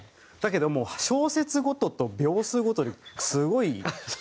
だけども小節ごとと秒数ごとにすごい。